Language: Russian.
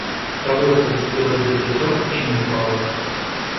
Яблоко зацепилось за крючок и не упало.